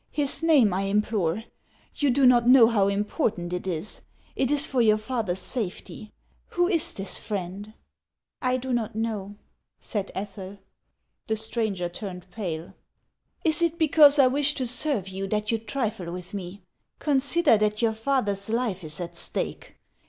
" His name, I implore. You do not know how important it is; it is for your father's safety. Who is this friend ?"" I do not know," said Ethel. The stranger turned pale. "Is it because T wish to serve you that you trifle with me ? Consider that your father's life is at stake.